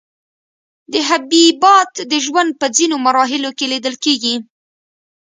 دا حبیبات د ژوند په ځینو مرحلو کې لیدل کیږي.